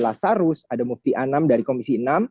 lasarus ada mufti anam dari komisi enam